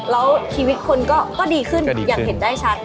แล้วชีวิตคนก็ดีขึ้นอย่างเห็นได้ชัด